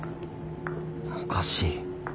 おかしい。